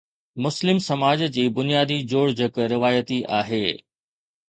مسلم سماج جي بنيادي جوڙجڪ روايتي آهي.